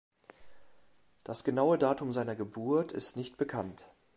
Das genaue Datum seiner Geburt ist nicht bekannt.